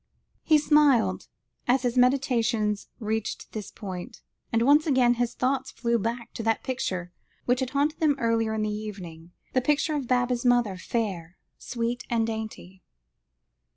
He smiled as his meditations reached this point, and once again his thoughts flew back to that picture which had haunted them earlier in the evening, the picture of Baba's mother fair, sweet, and dainty.